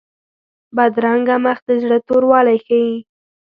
بدرنګه مخ د زړه توروالی ښيي